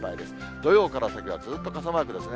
土曜から先はずっと傘マークですね。